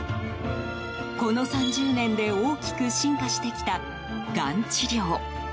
この３０年で大きく進化してきたがん治療。